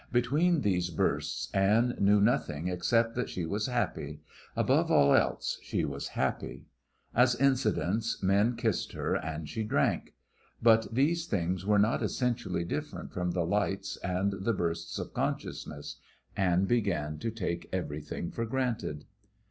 Between these bursts Anne knew nothing except that she was happy; above all else she was happy. As incidents men kissed her and she drank; but these things were not essentially different from the lights and the bursts of consciousness. Anne began to take everything for granted.